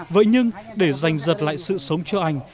vậy nhưng để giành giật lại sự sống cho anh